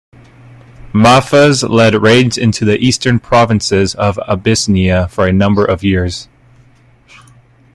Mahfuz led raids into the eastern provinces of Abyssinia for a number of years.